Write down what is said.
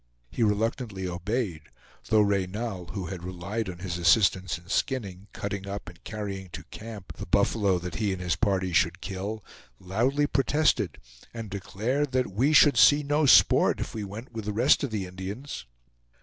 He reluctantly obeyed, though Reynal, who had relied on his assistance in skinning, cutting up, and carrying to camp the buffalo that he and his party should kill, loudly protested and declared that we should see no sport if we went with the rest of the Indians.